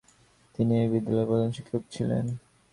তিনি এই বিদ্যালয়ের প্রধানশিক্ষক ছিলেন।